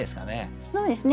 そうですね